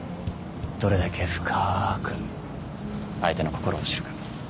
どれだけ深く相手の心を知るか。